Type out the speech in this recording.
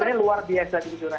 tentunya luar biasa itu jujur aja